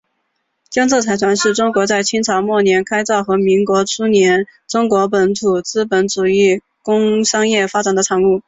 江浙财团是中国在清朝末年开阜和民国初年中国本土资本主义工商业发展的产物。